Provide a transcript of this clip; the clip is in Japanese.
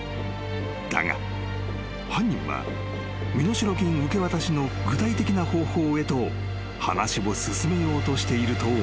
［だが犯人は身代金受け渡しの具体的な方法へと話を進めようとしていると思われた］